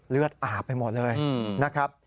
เลือดอาบไปหมดเลยนะครับ